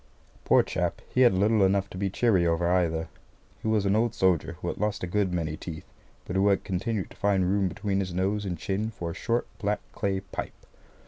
Poor chap, he had little enough to be cheery over either. He was an old soldier who had lost a good many teeth, but who had continued to find room between his nose and chin for a short black clay pipe.